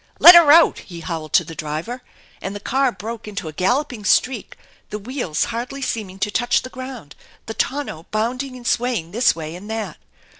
"Let her out!" he howled to the driver, and the car broke into a galloping streak, the wheels hardly seeming to touch the ground, the tonneau bounding and swaying this way and that.